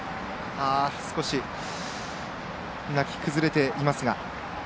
少し、泣き崩れていますが。